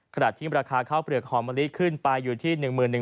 ขณะที่ราคาข้าวเปลือกหอมมะลิขึ้นไปอยู่ที่๑๑๐๐